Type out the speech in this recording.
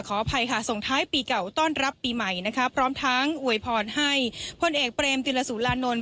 ขออภัยค่ะส่งท้ายปีเก่าต้อนรับปีใหม่นะคะพร้อมทั้งอวยพรให้พลเอกเปรมติลสุรานนท์